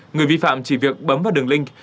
người vi phạm chỉ việc bấm vào đường link